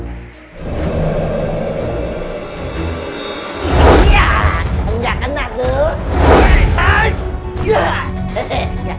enggak kena tuh